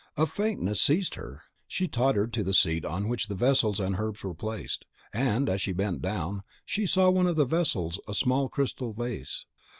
A faintness seized her; she tottered to the seat on which the vessels and herbs were placed, and, as she bent down, she saw in one of the vessels a small vase of crystal.